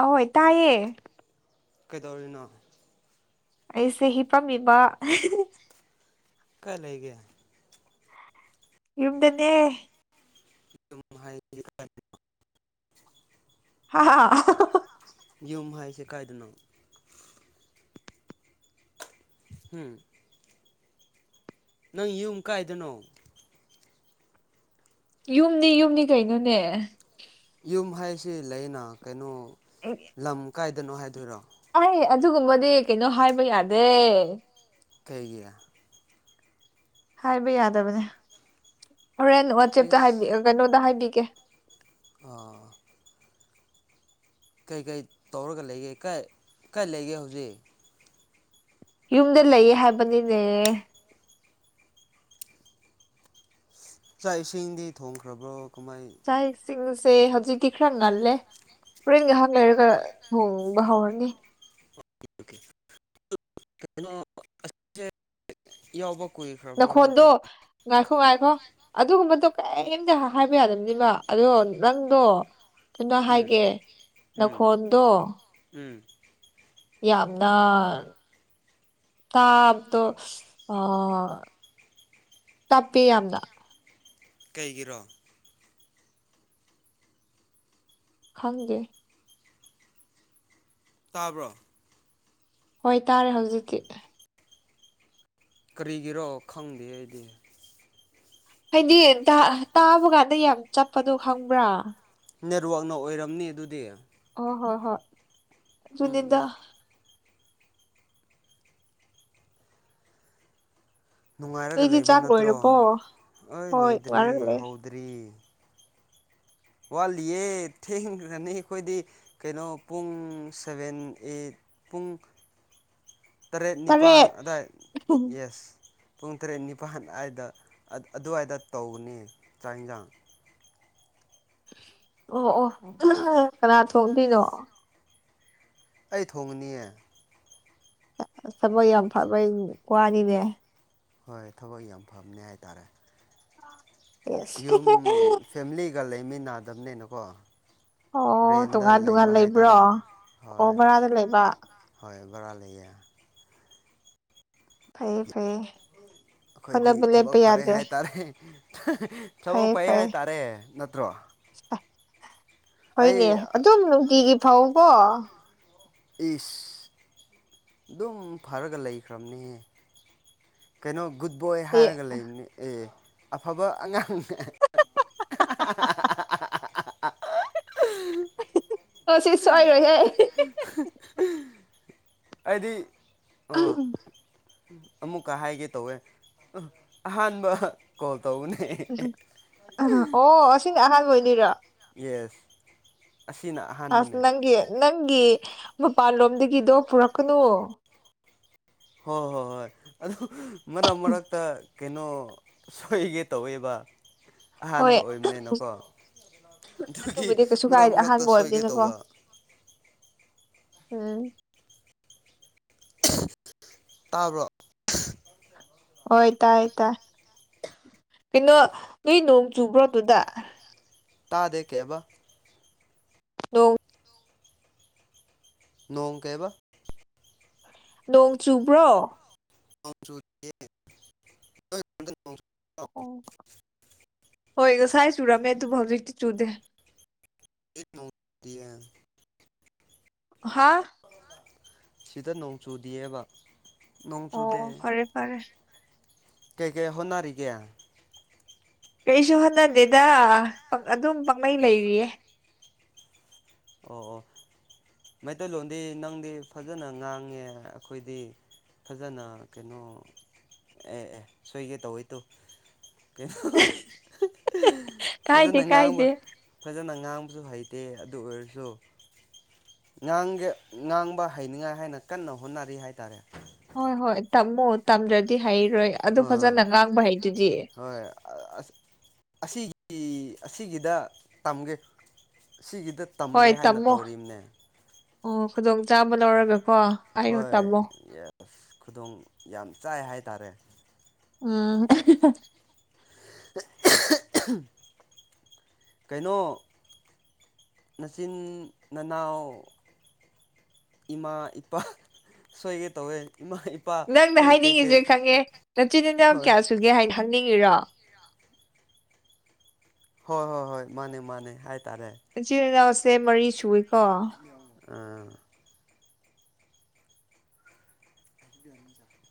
ꯑꯍꯣꯏ ꯇꯥꯏꯌꯦ ꯀꯩꯗꯧꯔꯤꯅꯣ ꯑꯩꯁꯦ ꯍꯤꯞꯄꯝꯃꯤꯕ ꯀꯥꯏ ꯂꯩꯒꯦ ꯌꯨꯝꯗꯅꯦ [unintelligible] ꯍꯥ ꯍꯥ ꯍꯥ ꯌꯨꯝ ꯍꯥꯏꯁꯦ ꯀꯥꯏꯗꯅꯣ ꯍꯨꯝ ꯅꯪ ꯌꯨꯝ ꯀꯥꯏꯗꯅꯣ ꯌꯨꯝꯅꯤ ꯌꯨꯝꯅꯤ ꯀꯩꯅꯣꯅꯦ ꯌꯨꯝ ꯍꯥꯏꯁꯤ ꯂꯩꯅꯥ ꯀꯩꯅꯣ ꯑꯦ ꯂꯝ ꯀꯥꯏꯗꯅꯣ ꯍꯥꯏꯗꯣꯏꯔꯣ ꯑꯥꯏ ꯑꯗꯨꯒꯨꯝꯕꯗꯤ ꯀꯩꯅꯣ ꯍꯥꯏꯕ ꯌꯥꯗꯦ ꯀꯩꯒꯤ ꯍꯥꯏꯕ ꯌꯥꯗꯕꯅꯦ ꯍꯣꯔꯦꯟ ꯋꯥꯆꯦꯞꯇ ꯏꯁ ꯍꯥꯏꯕꯤ ꯀꯩꯅꯣꯗ ꯍꯥꯏꯕꯤꯒꯦ ꯑꯥ ꯀꯩ ꯀꯩ ꯇꯧꯔꯒ ꯂꯩꯒꯦ ꯀꯥꯏ ꯀꯥꯏ ꯂꯩꯒꯦ ꯍꯧꯖꯤꯛ ꯌꯨꯝꯗ ꯂꯩꯌꯦ ꯍꯥꯏꯕꯅꯤꯅꯦ ꯆꯥꯛ ꯏꯁꯤꯡꯗꯤ ꯊꯣꯡꯈ꯭ꯔꯕ꯭ꯔꯣ ꯀꯃꯥꯏ ꯆꯥꯛ ꯏꯁꯤꯡꯁꯦ ꯍꯧꯖꯤꯛꯇꯤ ꯈꯔ ꯉꯜꯂꯦ ꯍꯣꯔꯦꯟ ꯉꯥꯏꯍꯥꯛ ꯂꯩꯔꯒ ꯊꯣꯡꯕ ꯍꯧꯔꯅꯤ ꯀꯩꯅꯣ ꯌꯧꯕ ꯅꯈꯣꯟꯗꯣ ꯉꯥꯏꯈꯣ ꯉꯥꯏꯈꯣ ꯑꯗꯨꯒꯨꯝꯕꯗꯣ ꯀꯩꯝꯇ ꯍꯥꯏꯕ ꯌꯥꯗꯕꯅꯦꯕ ꯑꯗꯣ ꯅꯪꯗꯣ ꯀꯩꯅꯣ ꯎꯝ ꯍꯥꯏꯒꯦ ꯎꯝ ꯅꯈꯣꯟꯗꯣ ꯎꯝ ꯌꯥꯝꯅ ꯇꯥꯕꯗꯣ ꯑ ꯇꯞꯄꯦ ꯌꯥꯝꯅ ꯀꯩꯒꯤꯔꯣ ꯈꯪꯗꯦ ꯇꯥꯕ꯭ꯔꯣ ꯍꯣꯏ ꯇꯥꯔꯦ ꯍꯧꯖꯤꯛꯇꯤ ꯀꯔꯤꯒꯤꯔꯣ ꯈꯪꯗꯦ ꯑꯩꯗꯤ ꯍꯥꯏꯗꯤ ꯇꯥꯕ ꯀꯥꯟꯗ ꯌꯥꯝ ꯆꯠꯄꯗꯣ ꯈꯪꯕ꯭ꯔꯥ ꯅꯦꯠꯋꯥꯛꯅ ꯑꯣꯏꯔꯝꯅꯤ ꯑꯗꯨꯗꯤ ꯑꯣ ꯍꯣꯏ ꯍꯣꯏ ꯑꯗꯨꯨꯅꯤꯗ ꯎꯝ ꯅꯨꯡꯉꯥꯏꯔꯒ ꯅꯣꯏꯗꯤ ꯂꯩꯕ ꯆꯥꯛ ꯅꯠꯇ꯭ꯔꯣ ꯂꯣꯏꯔꯕꯣ ꯑꯩ ꯍꯣꯏ ꯂꯣꯏꯗ꯭ꯔꯤ ꯋꯥꯔꯒ ꯂꯩ ꯍꯧꯗ꯭ꯔꯤ ꯋꯥꯠꯂꯤꯌꯦ ꯊꯦꯡꯈ꯭ꯔꯅꯤ ꯑꯩꯈꯣꯏꯗꯤ ꯀꯩꯅꯣ ꯄꯨꯡ ꯁꯚꯦꯟ ꯑꯩꯠ ꯄꯨꯡ ꯇꯔꯦꯠ ꯅꯤꯄꯥꯜ ꯑꯗꯥꯏ ꯌꯦꯁ ꯄꯨꯡ ꯇꯔꯦꯠ ꯅꯤꯄꯥꯜ ꯑꯗꯏꯗ ꯑꯗꯨꯋꯥꯏꯗ ꯇꯧꯅꯤ ꯆꯥꯛ ꯌꯦꯟꯁꯥꯡ ꯑꯣ ꯑꯣ ꯀꯅꯥ ꯊꯣꯡꯗꯣꯏꯅꯣ ꯑꯩ ꯊꯣꯡꯉꯅꯤꯌꯦ ꯊꯕꯛ ꯌꯥꯝ ꯐꯕꯩ ꯋꯥꯅꯤꯅꯦ ꯍꯣꯏ ꯊꯕꯛ ꯌꯥꯝ ꯐꯕꯅꯦ ꯍꯥꯏꯇꯥꯔꯦ ꯌꯦꯁ ꯌꯨꯝ ꯐꯦꯃꯤꯂꯤꯒ ꯂꯩꯃꯤꯟꯅꯗꯕꯅꯤꯅꯀꯣ ꯑꯣ ꯔꯦꯟꯗ ꯇꯣꯉꯥꯟ ꯇꯣꯉꯥꯟ ꯂꯩꯕ ꯂꯩꯕ꯭ꯔꯣ ꯍꯥꯏꯇꯥꯔꯦ ꯑꯣ ꯍꯣꯏ ꯕꯔꯥꯗ ꯂꯩꯕ ꯍꯣꯏ ꯕꯔꯥ ꯂꯩꯌꯦ ꯐꯩꯌꯦ ꯐꯩꯌꯦ ꯑꯩꯈꯣꯏꯗꯤ ꯍꯣꯠꯅꯕ ꯂꯦꯞꯄ ꯊꯕꯛ ꯐꯔꯦ ꯌꯥꯗꯦ ꯍꯥꯏꯇꯥꯔꯦ ꯊꯕꯛ ꯐꯩꯌꯦ ꯐꯩ ꯐꯩꯌꯦ ꯍꯥꯏꯇꯥꯔꯦ ꯅꯠꯇ꯭ꯔꯣ ꯑꯩ ꯍꯣꯏꯅꯦ ꯑꯗꯨꯝ ꯅꯨꯡꯇꯤꯒꯤ ꯐꯧꯀꯣ ꯏꯁ ꯑꯗꯨꯝ ꯐꯔꯒ ꯂꯩꯈ꯭ꯔꯕꯅꯦꯍꯦ ꯀꯩꯅꯣ ꯒꯨꯠ ꯕꯣꯏ ꯍꯌꯦ ꯍꯥꯏꯔꯒ ꯂꯩꯕꯅꯦ ꯑꯦ ꯑꯐꯕ ꯑꯉꯥꯡ ꯍꯥ ꯍꯥ ꯑꯍꯥ [unintelligible] ꯃꯁꯤ ꯁꯣꯏꯔꯣꯏꯍꯦ [unintelligible] ꯑꯩꯗꯤ ꯑꯣ ꯑꯃꯨꯛꯀ ꯍꯥꯏꯒꯦ ꯇꯧꯋꯦ ꯑꯍꯥꯟꯕ ꯀꯣꯜ ꯇꯧꯕꯅꯦ ꯑꯣ ꯑꯁꯤꯅ ꯑꯍꯥꯟꯕ ꯑꯣꯏꯗꯣꯏꯔꯣ ꯌꯦꯁ ꯑꯁꯤꯅ ꯑꯍꯥꯟꯕ ꯑꯁ ꯅꯪꯒꯤ ꯅꯪꯒꯤ ꯃꯄꯥꯟꯂꯣꯝꯗꯒꯤꯗꯣ ꯄꯨꯔꯛꯀꯅꯨ ꯍꯣꯏ ꯍꯣꯏ ꯍꯣꯏ ꯑꯗꯨ ꯃꯔꯛ ꯃꯔꯛꯇ ꯀꯩꯅꯣ ꯁꯣꯏꯒꯦ ꯇꯧꯋꯦꯕ ꯑꯍꯥꯟꯕ ꯍꯣꯏ ꯑꯣꯏꯕꯅꯤꯅꯀꯣ ꯑꯗꯨꯒꯤ ꯑꯗꯨꯕꯨꯗꯤ ꯀꯩꯁꯨ ꯃꯔꯛ ꯀꯥꯏꯗꯦ ꯃꯔꯛꯇ ꯑꯍꯥꯟꯕ ꯁꯣꯏꯒꯦ ꯑꯣꯏꯕꯅꯤꯅꯀꯣ ꯇꯧꯕ ꯎꯝ ꯇꯥꯕ꯭ꯔꯣ ꯍꯣꯏ ꯇꯥꯏ ꯇꯥꯏ ꯀꯩꯅꯣ ꯅꯣꯏ ꯅꯣꯡ ꯆꯨꯕ꯭ꯔꯣ ꯑꯗꯨꯗ ꯇꯥꯗꯦ ꯀꯩꯕ ꯑꯣ ꯅꯣꯡ ꯀꯩꯕ ꯅꯣꯡ ꯆꯨꯕ꯭ꯔꯣ ꯆ [unintelligible] ꯑꯣ ꯍꯣꯏ ꯉꯁꯥꯏ ꯆꯨꯔꯝꯃꯦ ꯑꯗꯨꯕꯨ ꯍꯧꯖꯤꯛꯇꯤ ꯆꯨꯗꯦ [unintelligible] ꯍꯥ ꯁꯤꯗ ꯅꯣꯡ ꯆꯨꯗꯤꯑꯕ ꯅꯣꯡ ꯑꯣ ꯆꯨꯗꯦ ꯐꯔꯦ ꯐꯔꯦ ꯀꯩꯀꯩ ꯍꯣꯠꯅꯔꯤꯒꯦ ꯀꯩꯁꯨ ꯍꯣꯠꯅꯗꯦꯗ ꯑꯗꯨꯝ ꯄꯪꯅꯩ ꯂꯩꯔꯤꯌꯦ ꯑꯣ ꯑꯣ ꯃꯩꯇꯩꯂꯣꯟꯗꯤ ꯅꯪꯗꯤ ꯐꯖꯅ ꯉꯥꯡꯉꯦ ꯑꯩꯈꯣꯏꯗꯤ ꯐꯖꯅ ꯀꯩꯅꯣ ꯑꯦ ꯑꯦ ꯁꯣꯏꯒꯦ ꯇꯧꯋꯦ ꯇꯨ ꯀꯩꯅꯣ ꯀꯥꯏꯗꯦ ꯐꯖꯅ ꯀꯥꯏꯗꯦ ꯉꯥꯡꯕ [unintelligible] ꯐꯖꯅ ꯉꯥꯡꯕꯖꯨ ꯍꯩꯇꯦ ꯑꯗꯨ ꯑꯣꯏꯔꯖꯨ ꯑꯗꯣ ꯉꯥꯡꯒꯦ ꯉꯥꯡꯕ ꯍꯩꯅꯤꯡꯉꯥꯏ ꯍꯥꯏꯅ ꯀꯟꯅ ꯍꯣꯠꯅꯔꯤ ꯍꯥꯏꯇꯥꯔꯦ ꯍꯣꯏ ꯍꯣꯏ ꯇꯝꯃꯨ ꯇꯝꯗ꯭ꯔꯗꯤ ꯍꯩꯔꯣꯏ ꯑꯗꯨꯛ ꯐꯖꯅ ꯉꯥꯡꯕ ꯍꯩꯗꯨꯗꯤ ꯑ ꯑꯁꯤꯒꯤ ꯑꯁꯤꯒꯤꯗ ꯇꯝꯒꯦ ꯑꯁꯤꯒꯤꯗ ꯍꯣꯏ ꯇꯝꯃꯣ ꯑꯣ ꯈꯨꯗꯣꯡꯆꯥꯥꯕ ꯂꯧꯔꯒꯀꯣ ꯑꯩꯌꯣ ꯍꯣꯏ ꯇꯝꯃꯣ ꯌꯦꯁ ꯈꯨꯗꯣꯡ ꯌꯥꯝ ꯆꯥꯏ ꯍꯥꯏꯇꯥꯔꯦ ꯎꯝ ꯀꯩꯅꯣ ꯅꯆꯤꯟ ꯅꯅꯥꯎ ꯏꯃꯥ ꯏꯄꯥ ꯁꯣꯏꯒꯦ ꯇꯧꯋꯦ ꯏꯃꯥ ꯏ ꯅꯪꯅ ꯍꯥꯏꯅꯤꯡꯉꯤꯁꯦ ꯈꯪꯉꯦ ꯅꯆꯤꯟꯤꯟ ꯅꯎ ꯍꯣꯏ ꯀꯌꯥ ꯁꯨꯒꯦ ꯍꯥꯏꯅ ꯍꯪꯅꯤꯡꯉꯤꯔꯣ ꯍꯣꯏ ꯍꯣꯏ ꯍꯣꯏ ꯃꯥꯅꯦ ꯃꯥꯅꯦ ꯍꯥꯏꯇꯥꯔꯦ ꯏꯆꯤꯜ ꯏꯅꯥꯎꯁꯦ ꯃꯔꯤ ꯁꯨꯏꯀꯣ ꯎꯝ [unintelligible]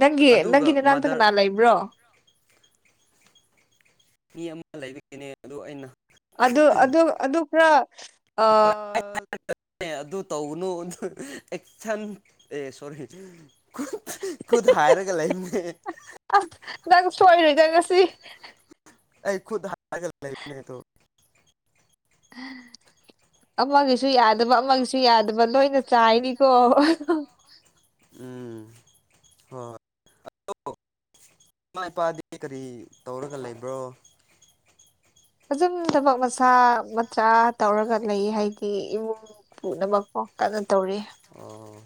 ꯅꯪꯒꯤ ꯅꯪꯒꯤ ꯑꯗꯨꯒ ꯅꯅꯥꯇ ꯃꯥꯗꯔ ꯀꯅꯥ ꯂꯩꯕ꯭ꯔꯣ ꯃꯤ ꯑꯃ ꯂꯩꯕꯒꯤꯅꯦ ꯑꯗꯨ ꯑꯩꯅ ꯑꯗꯨ ꯑꯗꯨ ꯑꯗꯨ ꯈ꯭ꯔ ꯑ ꯑꯦ ꯑꯗꯨ ꯇꯧꯅꯨ ꯑꯗꯨ ꯑꯦꯛꯁꯟ ꯑꯦ ꯁꯣꯔꯤ ꯈꯨꯠ ꯈꯨꯠ ꯍꯥꯏꯔꯒ ꯂꯩꯝꯃꯦ ꯑꯁ ꯅꯪ ꯁꯣꯏꯔꯣꯏ ꯗ ꯉꯁꯤ ꯑꯩ ꯈꯨꯠ ꯍꯥꯏꯔ ꯂꯩꯕꯅꯦ ꯑꯗꯣ [unintelligible] ꯑꯃꯒꯤꯁꯨ ꯌꯥꯗꯕ ꯑꯃꯒꯤꯁꯨ ꯌꯥꯗꯕ ꯂꯣꯏꯅ ꯆꯥꯏꯅꯤꯀꯣ ꯎꯝ ꯍꯣꯏ ꯑꯗꯣ ꯏꯃꯥ ꯏꯄꯥꯗꯤ ꯀꯔꯤ ꯇꯧꯔꯒ ꯂꯩꯕ꯭ꯔꯣ꯫ ꯑꯗꯨꯝ ꯊꯕꯛ ꯃꯆꯥ ꯃꯆꯥ ꯇꯧꯔꯒ ꯂꯩ ꯍꯥꯏꯗꯤ ꯏꯃꯨꯡ ꯄꯨꯅꯕꯄꯣ ꯀꯟꯅ ꯇꯧꯔꯤꯌꯦ꯫ ꯑꯣ꯫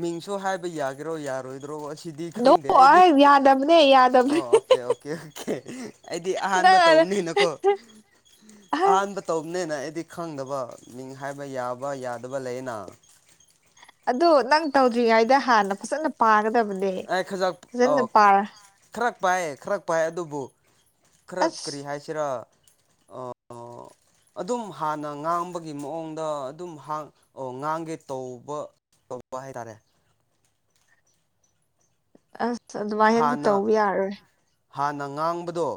ꯃꯤꯡꯁꯨ ꯍꯥꯏꯕ ꯌꯥꯒꯦꯔꯣ ꯌꯥꯔꯣꯏꯗ꯭ꯔꯣ ꯑꯁꯤ ꯁꯤꯗꯤ ꯅꯣ ꯈꯪꯗꯦ ꯑꯩꯗꯤ ꯑꯩ ꯑꯣꯏꯁ ꯌꯥꯗꯕꯅꯦ ꯌꯥꯗꯕꯅꯤ ꯑꯣ ꯌꯥꯗꯕꯅꯦ ꯑꯣꯀꯦ ꯑꯣꯀꯦ ꯑꯣꯀꯦ꯫ ꯑꯩꯗꯤ ꯑꯍꯥꯟꯕ ꯅꯪ ꯇꯧꯕꯅꯤꯅꯀꯣ ꯑꯁ ꯑꯍꯥꯟꯕ ꯇꯧꯕꯅꯤꯅ ꯑꯩꯗꯤ ꯈꯪꯗꯕ ꯃꯤꯡ ꯍꯥꯏꯕ ꯌꯥꯕ ꯌꯥꯗꯕ ꯂꯩꯌꯦꯅ꯫ ꯑꯗꯣ ꯅꯪ ꯇꯧꯗ꯭ꯔꯤꯉꯩꯗ ꯍꯥꯟꯅ ꯐꯖꯅ ꯄꯥꯒꯗꯕꯅꯤ꯫ ꯑꯩ ꯈꯖꯛ ꯑꯣ [unintelligible] ꯈꯔ ꯄꯥꯏꯌꯦ ꯈꯔ ꯄꯥꯏ ꯑꯗꯨꯕꯨ ꯈꯔ ꯀꯔꯤ ꯑꯁ ꯍꯥꯏꯁꯤꯔ ꯑꯣ ꯑꯣ꯫ ꯑꯗꯨꯝ ꯍꯥꯟꯅ ꯉꯥꯡꯕꯒꯤ ꯃꯑꯣꯡꯗ ꯑꯗꯨꯝ ꯉꯥꯡꯒꯦ ꯇꯧꯕ꯫ ꯇꯧꯕ ꯍꯥꯏꯇꯥꯔꯦ꯫ ꯑꯁ ꯑꯗꯨꯃꯥꯏꯅꯗꯤ ꯍꯥꯟꯅ ꯇꯧꯕ ꯌꯥꯔꯔꯣꯏ꯫ ꯍꯥꯟꯅ ꯉꯥꯡꯕꯗꯣ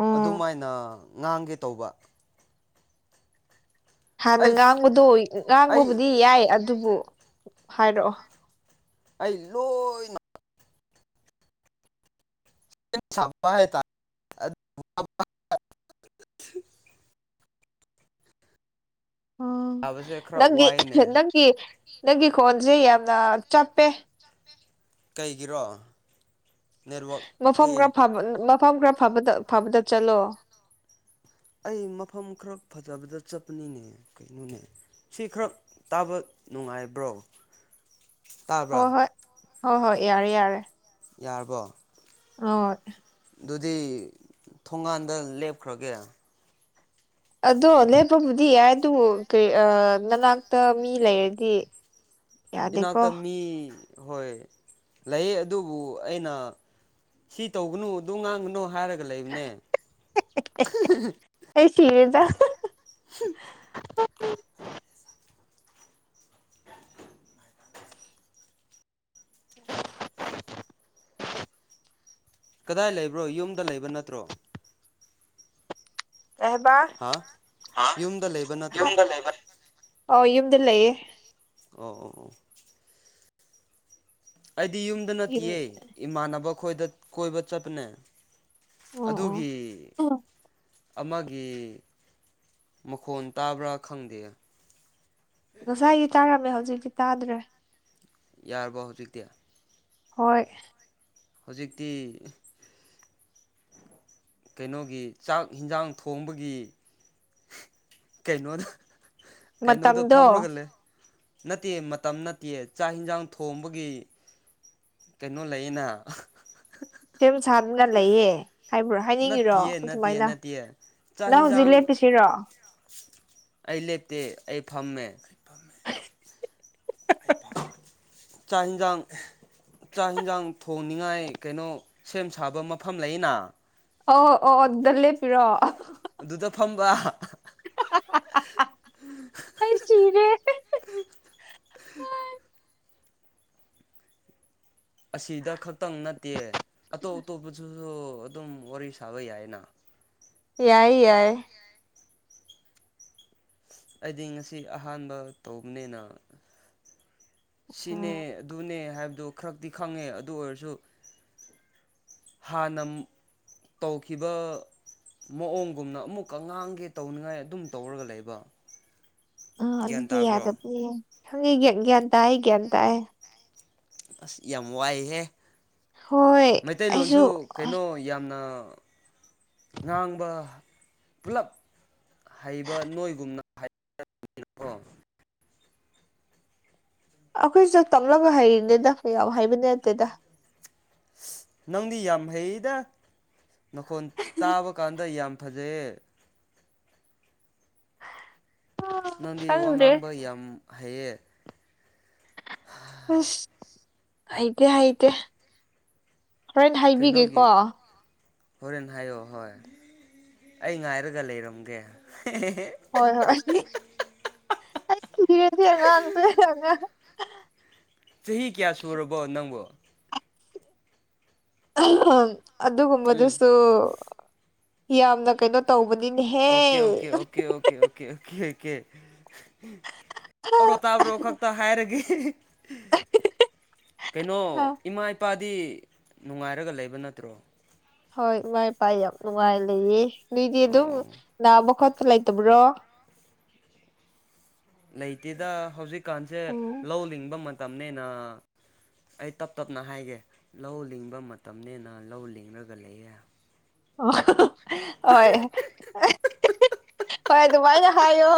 ꯎꯝ ꯑꯗꯨꯃꯥꯏꯅ ꯉꯥꯡꯒꯦ ꯇꯧꯕ꯫ ꯍꯥꯟꯅ ꯑꯩ ꯉꯥꯡꯕꯗꯣ ꯑꯩ ꯉꯥꯡꯕꯕꯨꯗꯤ ꯌꯥꯏ ꯑꯗꯨꯕꯨ ꯍꯥꯏꯔꯛꯑꯣ꯫ ꯑꯩ ꯂꯣꯏ [unintelligible] ꯑꯗꯨ ꯑꯣ ꯁꯥꯕꯁꯦ ꯈꯔ ꯅꯪꯒꯤ ꯋꯥꯏꯅꯦ ꯅꯪꯒꯤ ꯅꯪꯒꯤ ꯈꯣꯟꯖꯦ ꯌꯥꯝꯅ ꯆꯞꯄꯦ꯫ ꯀꯩꯒꯤꯔꯣ꯫ ꯅꯦꯠꯋꯥꯛ꯫ ꯃꯐꯝ ꯈꯔ ꯑꯩ ꯐꯕ ꯃꯐꯝ ꯈꯔ ꯐꯕꯗ ꯐꯕꯗ ꯆꯠꯂꯣ ꯑꯩ ꯃꯐꯝ ꯈꯔ ꯐꯖꯕꯗ ꯆꯠꯄꯅꯤꯅꯦ ꯀꯩꯅꯣꯅꯦ ꯁꯤ ꯈꯔ ꯇꯥꯕ ꯅꯨꯡꯉꯥꯏꯕ꯭ꯔꯣ ꯇꯥꯕ꯭ꯔꯥ ꯍꯣꯏ ꯍꯣꯏ ꯍꯣꯏ ꯍꯣꯏ ꯌꯥꯔꯦ ꯌꯥꯔꯦ ꯌꯥꯔꯕꯣ ꯑ ꯑꯗꯨꯗꯤ ꯊꯣꯡꯒꯥꯟꯗ ꯂꯦꯞꯈ꯭ꯔꯒꯦ ꯑꯗꯣ ꯂꯦꯞꯄꯕꯨꯗꯤ ꯌꯥꯏ ꯑꯗꯨ ꯀꯔꯤ ꯅꯅꯥꯛꯇ ꯃꯤ ꯂꯩꯔꯗꯤ ꯌꯥꯗꯦꯀꯣ ꯏꯅꯥꯛꯇ ꯃꯤ ꯍꯣꯏ ꯂꯩ ꯑꯗꯨꯕꯨ ꯑꯩꯅ ꯁꯤ ꯇꯧꯒꯅꯨ ꯑꯗꯨ ꯉꯥꯡꯒꯅꯨ ꯍꯥꯏꯔꯒ ꯂꯩꯕꯅꯦ ꯑꯩ ꯁꯤꯔꯦꯗ ꯀꯗꯥꯏ ꯂꯩꯕ꯭ꯔꯣ ꯌꯨꯝꯗ ꯂꯩꯕ ꯅꯠꯇ꯭ꯔꯣ ꯀꯩꯍꯥꯏꯕ ꯍꯥ ꯑ ꯌꯨꯝꯗ ꯂꯩꯕ ꯅꯠꯇ꯭ꯔꯣ ꯌꯨꯝꯗ ꯂꯩꯕ ꯑꯧ ꯌꯨꯝꯗ ꯂꯩꯌꯦ꯫ ꯑꯣ ꯑꯣ ꯑꯣ꯫ ꯑꯩꯗꯤ ꯌꯨꯝꯗ ꯌꯨꯝ ꯅꯠꯇꯤꯌꯦ ꯏꯃꯥꯟꯅꯕ ꯈꯣꯏꯗ ꯀꯣꯏꯕ ꯆꯠꯄꯅꯦ꯫ ꯑꯣ ꯑꯗꯨꯒꯤ ꯑꯣ ꯑꯃꯒꯤ ꯃꯈꯣꯟ ꯇꯥꯕ꯭ꯔꯥ ꯈꯪꯗꯦ꯫ ꯉꯁꯥꯏꯗꯤ ꯇꯥꯔꯝꯃꯦ ꯍꯧꯖꯤꯛꯇꯤ ꯇꯥꯗ꯭ꯔꯦ꯫ ꯌꯥꯔꯕꯣ ꯍꯧꯖꯤꯛꯇꯤ꯫ ꯍꯣꯏ꯫ ꯍꯧꯖꯤꯛꯇꯤ ꯀꯩꯅꯣꯒꯤ ꯆꯥꯛ ꯍꯤꯟꯖꯥꯡ ꯊꯣꯡꯕꯒꯤ ꯀꯩꯅꯣꯗ ꯀꯩꯅꯣꯗ ꯃꯇꯝꯗꯣ ꯐꯝꯃꯒꯂꯩ [unintelligible] ꯅꯠꯇꯤꯌꯦ ꯃꯇꯝ ꯅꯠꯇꯤꯌꯦ ꯆꯥꯛ ꯏꯟꯁꯥꯡ ꯊꯣꯡꯕꯒꯤ ꯀꯩꯅꯣ ꯂꯩꯌꯦꯅ꯫ ꯁꯦꯝ ꯁꯥꯗꯅ ꯂꯩꯌꯦ꯫ ꯍꯥꯏꯕ꯭ꯔꯣ ꯍꯥꯏꯅꯤꯡꯉꯤꯔꯣ ꯅꯠꯇꯤꯌꯦ ꯅꯠꯇꯤꯌꯦ ꯑꯗꯨꯃꯥꯏꯅ ꯅꯠꯇꯤꯌꯦ ꯆꯥꯛ ꯅꯪ ꯍꯧꯖꯤꯛ ꯍꯤꯟꯖꯥꯡ ꯂꯦꯞꯄꯤꯁꯤꯔꯣ꯫ ꯑꯩ ꯂꯦꯝꯇꯦ ꯑꯩ ꯐꯝꯃꯦ ꯑꯩ ꯄ ꯆꯥꯛ ꯌꯦꯟꯁꯥꯡ ꯆꯥꯛ ꯏꯟꯁꯥꯡ ꯊꯣꯡꯅꯤꯉꯥꯏ ꯀꯩꯅꯣ ꯁꯦꯝ ꯁꯥꯕ ꯃꯐꯝ ꯂꯩꯌꯦꯅ ꯑꯣ ꯑꯣ ꯑꯗꯨꯗ ꯂꯦꯞꯄꯤꯔꯣ ꯑꯗꯨꯗ ꯐꯝꯕ [inaudible] ꯑꯩ ꯁꯤꯔꯦ [inaudible] ꯑꯁꯤꯗ ꯈꯛꯇꯪ ꯅꯠꯇꯦ ꯑꯇꯣꯞ ꯑꯇꯣꯞꯄꯗꯁꯨ ꯑꯗꯨꯝ ꯋꯥꯔꯤ ꯁꯥꯕ ꯌꯥꯏꯅ ꯌꯥꯏ ꯌꯥꯏ ꯑꯩꯗꯤ ꯉꯁꯤ ꯑꯍꯥꯟꯕ ꯇꯧꯕꯅꯤꯅ ꯁꯤꯅꯦ ꯎꯝ ꯑꯗꯨꯅꯦ ꯍꯥꯏꯕꯗꯨ ꯈꯔꯛꯇꯤ ꯈꯪꯉꯦ ꯑꯗꯨ ꯑꯣꯏꯔꯁꯨ ꯍꯥꯟꯅ ꯇꯧꯈꯤꯕ ꯃꯑꯣꯡꯒꯨꯝꯅ ꯑꯃꯨꯛꯀ ꯉꯥꯡꯒꯦ ꯇꯧꯅꯤꯡꯉꯥꯏ ꯑꯗꯨꯝ ꯇꯧꯔꯒ ꯂꯩꯕ ꯑꯥ ꯒ꯭ꯌꯥꯟ ꯑꯗꯨꯗꯤ ꯇꯥꯕ꯭ꯔꯣ ꯌꯥꯗꯕꯅꯦ ꯈꯪꯉꯦ ꯒ꯭ꯌꯥꯟ ꯇꯥꯢ ꯒ꯭ꯌꯥꯟ ꯇꯥꯢ ꯑꯁ ꯌꯥꯝ ꯋꯥꯏꯍꯦ ꯍꯣꯏ ꯑꯩꯁꯨ ꯃꯩꯇꯩꯂꯣꯟꯁꯨ ꯀꯩꯅꯣ ꯌꯥꯝꯅ ꯉꯥꯡꯕ ꯄꯨꯂꯞ ꯍꯩꯕ ꯅꯣꯏꯒꯨꯝꯅ ꯍꯥꯏ ꯑꯩꯈꯣꯏꯁꯨ ꯇꯥꯝꯂꯒ ꯍꯩꯔꯤꯅꯦꯗ ꯀꯌꯥꯝ ꯍꯥꯏꯕꯗꯤ ꯅꯠꯇꯦꯗ ꯑꯁ ꯅꯪꯗꯤ ꯌꯥꯝ ꯍꯩꯗ ꯅꯈꯣꯜ ꯇꯥꯕ ꯀꯥꯟꯗ ꯌꯥꯝ ꯐꯖꯩꯌꯦ ꯅꯪꯗꯤ ꯋꯥ ꯈꯪꯗ꯭ꯔꯦ ꯉꯥꯡꯕ ꯌꯥꯝ ꯍꯩꯌꯦ ꯎ [inaudible] ꯑꯁ ꯍꯩꯇꯦ ꯍꯩꯇꯦ ꯍꯣꯔꯦꯟ ꯍꯥꯏꯕꯤꯒꯦꯀꯣ ꯀꯩꯅꯣꯒꯤ ꯍꯣꯔꯦꯟ ꯍꯥꯏꯌꯣ ꯍꯣꯏ ꯑꯩ ꯉꯥꯏꯔꯒ ꯂꯩꯔꯝꯒꯦ ꯍꯣꯏ ꯍꯣꯏ ꯑꯩ ꯁꯤꯔꯦ ꯁꯤ ꯑꯉꯥꯡꯁꯦ ꯑꯉꯥꯡꯁꯦ ꯆꯍꯤ ꯀꯌꯥ ꯁꯨꯔꯕꯣ ꯅꯪꯕꯨ ꯎꯝ ꯑꯗꯨꯒꯨꯝꯕꯗꯨꯁꯨ ꯌꯥꯝꯅ ꯀꯩꯅꯣ ꯇꯧꯕꯅꯤꯅꯦꯍꯦ okay okay okay okay okay okay okay ꯇꯥꯕ꯭ꯔꯣ ꯇꯥꯕ꯭ꯔꯣ ꯈꯛꯇ ꯍꯥꯏꯔꯒꯦ ꯀꯩꯅꯣ ꯑ ꯏꯃꯥ ꯏꯄꯥꯗꯤ ꯅꯨꯡꯉꯥꯏꯔꯒ ꯂꯩꯕ ꯅꯠꯇ꯭ꯔꯣ ꯍꯣꯏ ꯏꯃꯥ ꯏꯄꯥꯥ ꯌꯥꯝ ꯅꯨꯡꯉꯥꯏ ꯂꯩꯌꯦ ꯅꯣꯏꯗꯤ ꯑꯗꯨꯝ ꯑꯣ ꯅꯥꯕ ꯈꯣꯠꯄ ꯂꯩꯇꯕ꯭ꯔꯣ ꯂꯩꯇꯦꯗ ꯍꯧꯖꯤꯛꯀꯥꯟꯁꯦ ꯎꯝ ꯂꯧ ꯂꯤꯡꯕ ꯃꯇꯝꯅꯤꯅ ꯑꯩ ꯇꯞ ꯇꯞꯅ ꯍꯥꯏꯒꯦ ꯂꯧ ꯂꯤꯡꯕ ꯃꯇꯝꯅꯤꯅ ꯂꯧ ꯂꯤꯡꯉꯥꯒ ꯂꯩꯌꯦ ꯍꯣꯏ ꯍꯣꯏ ꯑꯗꯨꯃꯥꯏꯅ ꯍꯥꯏꯌꯣ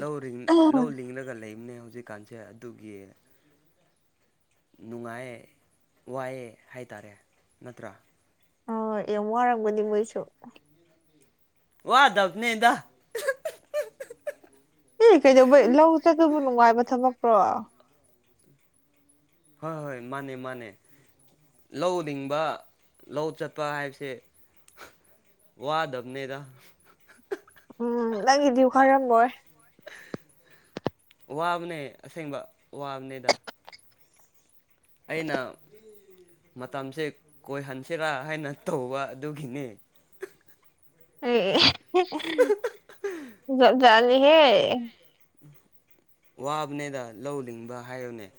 ꯂꯧ ꯂꯧ ꯂꯤꯡꯡꯂꯒ ꯂꯩꯕꯅꯦ ꯍꯧꯖꯤꯛꯀꯥꯟꯁꯦ ꯑꯗꯨꯒꯤ ꯅꯨꯡꯉꯥꯏꯌꯦ ꯋꯥꯏꯑꯦ ꯍꯥꯏꯇꯥꯔꯦ ꯅꯠꯇ꯭ꯔꯥ ꯑ ꯌꯥꯝ ꯋꯥꯔꯝꯒꯗꯤ ꯃꯣꯏꯁꯨ ꯋꯥꯗꯕꯅꯤꯗ ꯑꯦ ꯀꯩꯗꯧꯕꯩ ꯂꯧ ꯆꯠꯕꯕꯨ ꯅꯨꯡꯉꯥꯏꯕ ꯊꯕꯛꯔꯣ ꯍꯣꯏ ꯍꯣꯏ ꯃꯥꯅꯦ ꯃꯥꯅꯦ ꯂꯧ ꯂꯤꯡꯕ ꯂꯧ ꯆꯠꯄ ꯍꯥꯏꯕꯁꯦ ꯋꯥꯗꯕꯅꯦꯗ ꯎꯝ ꯅꯪ ꯒꯤꯗꯤ ꯋꯥꯔꯝꯃꯣꯏ ꯋꯥꯕꯅꯦ ꯑꯁꯦꯡꯕ ꯋꯥꯕꯅꯦꯗ ꯑꯩꯅ ꯃꯇꯝꯁꯦ ꯀꯣꯏꯍꯟꯁꯤꯔꯥ ꯍꯥꯏꯅ ꯇꯧꯕ ꯑꯗꯨꯒꯤꯅꯦ ꯑꯦ ꯖꯥꯠ ꯖꯥꯠꯅꯤꯍꯦ ꯋꯥꯕꯅꯦꯗ ꯂꯧ ꯂꯤꯡꯕ ꯍꯥꯏꯌꯨꯅꯦ